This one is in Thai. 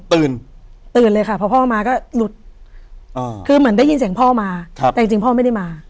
ตื่นตื่นเลยค่ะพอพ่อมาก็หลุดคือเหมือนได้ยินเสียงพ่อมาแต่จริงพ่อไม่ได้มา